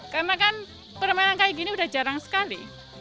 karena kan permainan kayak gini udah jarang sekali